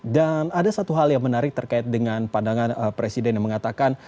dan ada satu hal yang menarik terkait dengan pandangan presiden yang mengatakan